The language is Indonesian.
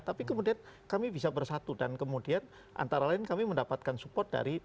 tapi kemudian kami bisa bersatu dan kemudian antara lain kami mendapatkan support dari